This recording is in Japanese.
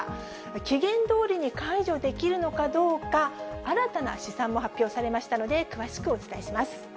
期限どおりに解除できるのかどうか、新たな試算も発表されましたので、詳しくお伝えします。